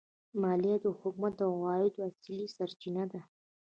مالیه د حکومت د عوایدو اصلي سرچینه ده.